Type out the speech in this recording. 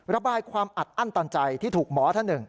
ระบายความอัดอั้นตันใจที่ถูกหมอท่านหนึ่ง